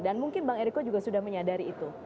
dan mungkin bang eriko juga sudah menyadari itu